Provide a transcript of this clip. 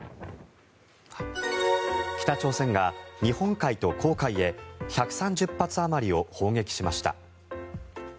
北朝鮮が日本海と黄海へ１３０発あまりを砲撃しました。